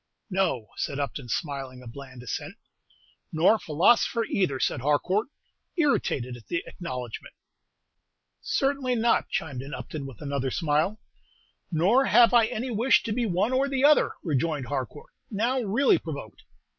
"No," said Upton, smiling a bland assent. "Nor a philosopher either," said Harcourt, irritated at the acknowledgment. "Certainly not," chimed in Upton, with another smile. "Nor have I any wish to be one or the other," rejoined Harcourt, now really provoked.